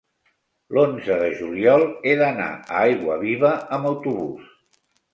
l'onze de juliol he d'anar a Aiguaviva amb autobús.